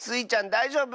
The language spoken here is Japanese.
だいじょうぶ？